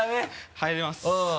入れます。